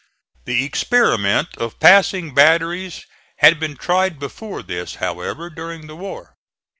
The experiment of passing batteries had been tried before this, however, during the war.